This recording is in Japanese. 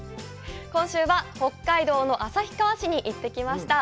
今週は北海道の旭川市に行ってきました。